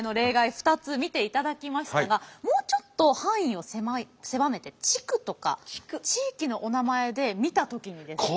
２つ見ていただきましたがもうちょっと範囲を狭めて地区とか地域のお名前で見た時にですね。